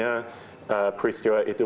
jadi apalagi peristiwa itu